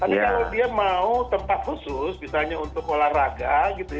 tapi kalau dia mau tempat khusus misalnya untuk olahraga gitu ya